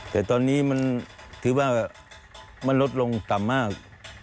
แต่ตอนนี้มันถือว่ามันลดลงต่ำมาก